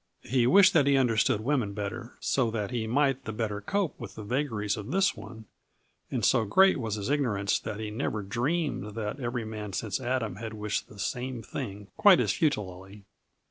He wished that he understood women better, so that he might the better cope with the vagaries of this one; and so great was his ignorance that he never dreamed that every man since Adam had wished the same thing quite as futilely.